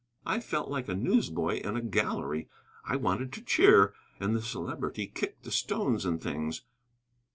I felt like a newsboy in a gallery, I wanted to cheer. And the Celebrity kicked the stones and things.